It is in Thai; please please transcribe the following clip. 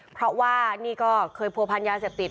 เพราะว่านี่ก็เคยผัวพันยาเสพติด